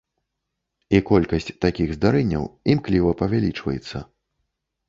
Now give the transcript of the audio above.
І колькасць такіх здарэнняў імкліва павялічваецца.